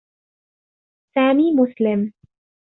سامي مسلم.